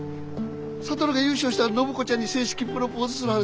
智が優勝したら暢子ちゃんに正式プロポーズする話。